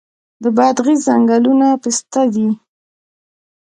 د بادغیس ځنګلونه پسته دي